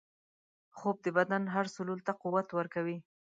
خوب د بدن هر سلول ته قوت ورکوي